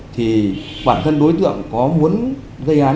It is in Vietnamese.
thì bản thân đối tượng có muốn gây án